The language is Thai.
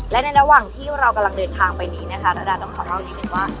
และในระหว่างที่เรากำลังเดินทางไปนี้นะคะระดาต้องขอเล่านิดนึงว่า